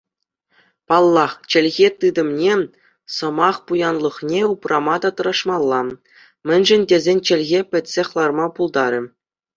Паллах чӗлхе тытӑмне, сӑмах пуянлӑхне упрама тӑрӑшмалла, мӗншӗн тесен чӗлхе пӗтсех ларма пултарӗ.